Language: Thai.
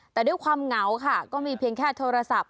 แต่ด้วยความเหงาค่ะก็มีเพียงแค่โทรศัพท์